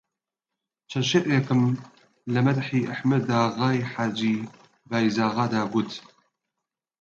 چەند شیعرێکم لە مەدحی ئەحمەداغای حاجی بایزاغادا گوت